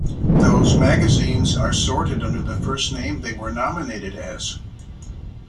Those magazines are sorted under the first name they were nominated as.